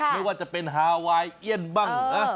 ไม่ว่าจะเป็นฮาไวน์เอียนบ้างนะ